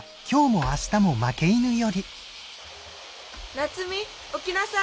「夏実起きなさい」。